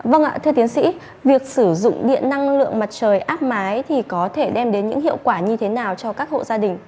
vâng ạ thưa tiến sĩ việc sử dụng điện năng lượng mặt trời áp mái thì có thể đem đến những hiệu quả như thế nào cho các hộ gia đình